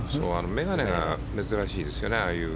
眼鏡が珍しいですよね。